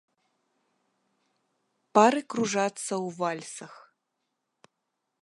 Пары кружацца ў вальсах.